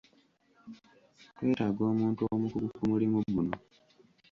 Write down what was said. Twetaaga omuntu omukugu ku mulimu guno.